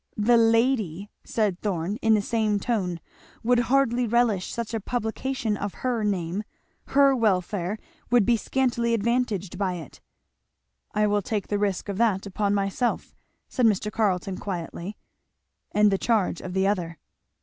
"The lady" said Thorn in the same tone, "would hardly relish such a publication of her name her welfare would be scantily advantaged by it." "I will take the risk of that upon myself," said Mr. Carleton quietly; "and the charge of the other."